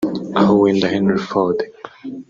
aho wenda Henry Ford